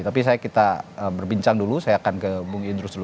tapi saya kita berbincang dulu saya akan ke bung idrus dulu